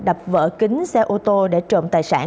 đập vỡ kính xe ô tô để trộm tài sản